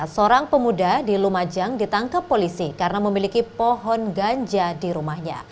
seorang pemuda di lumajang ditangkap polisi karena memiliki pohon ganja di rumahnya